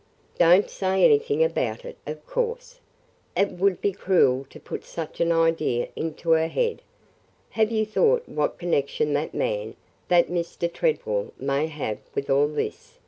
"Don't say anything about it, of course. It would be cruel to put such an idea into her head. Have you thought what connection that man – that Mr. Tredwell may have with all this?"